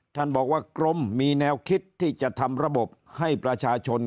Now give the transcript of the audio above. ท่านบอกว่ากรมมีแนวคิดที่จะทำระบบให้ประชาชน